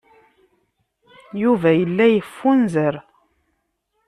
Yuba yella yeffunzer.